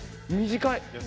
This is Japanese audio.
短い！